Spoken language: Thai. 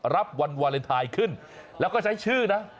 รับวันวาเลนไทยขึ้นแล้วก็ใช้ชื่อนะ